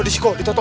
disi ko di toto